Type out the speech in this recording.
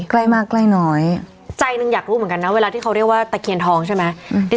ใกล้มากใกล้น้อยใจหนึ่งอยากรู้เหมือนกันนะเวลาที่เขาเรียกว่าตะเคียนทองใช่ไหม